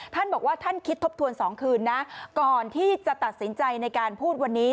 ท่านบอกว่าท่านคิดทบทวน๒คืนนะก่อนที่จะตัดสินใจในการพูดวันนี้